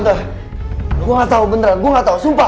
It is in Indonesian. tante gue gak tahu beneran gue gak tahu sumpah